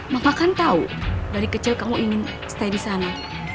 maka kan tahu dari kecil kamu ingin stay di sana